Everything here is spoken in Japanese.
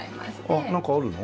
あっなんかあるの？